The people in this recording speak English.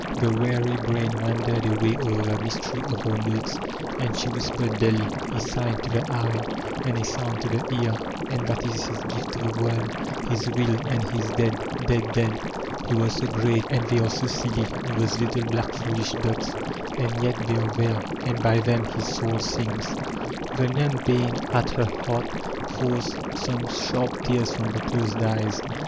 The weary brain wandered away over the mystery of the notes, and she whispered dully, "A sign to the cye» and a sound to the ear — and that is his gift to the world hii win — and he is dead, dead, dead ;— he was so great, and i To SniVB AND Fail 447 thej are to tilly, thoie little black foolish dots— and yet thej are t here a nd by them his sool sings —The nomb pain at her heart forced some sharp tears from the dosed eyes.